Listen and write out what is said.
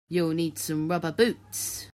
You will need some rubber boots.